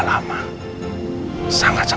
apa yang akan terjadi